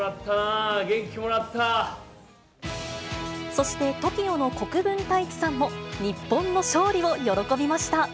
そして、ＴＯＫＩＯの国分太一さんも、日本の勝利を喜びました。